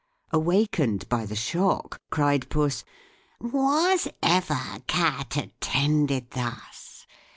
Awaken'd by the shock (cried Puss) "Was ever cat attended thus?